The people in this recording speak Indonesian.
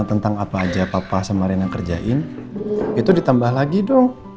harus diselesaikan dulu